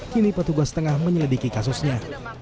kini petugas tengah menyelidiki kasusnya